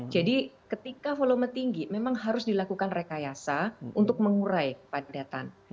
jadi ketika volume tinggi memang harus dilakukan rekayasa untuk mengurai padatan